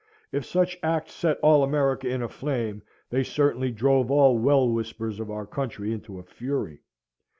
If such acts set all America in a flame, they certainly drove all wellwisbers of our country into a fury.